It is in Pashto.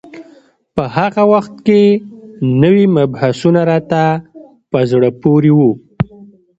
په هغه وخت کې نوي مبحثونه راته په زړه پورې وو.